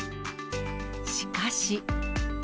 しかし。